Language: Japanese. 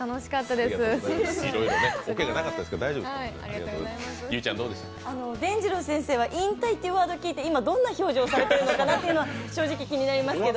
でんじろう先生は引退っていうワードを聞いて今、どんな表情をされてるのか気になりますけど。